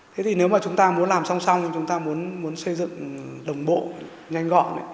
thế thì nếu mà chúng ta muốn làm song song thì chúng ta muốn xây dựng đồng bộ nhanh gọn